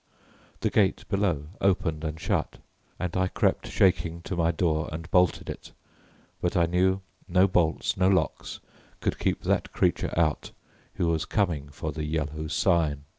The gate below opened and shut, and I crept shaking to my door and bolted it, but I knew no bolts, no locks, could keep that creature out who was coming for the Yellow Sign.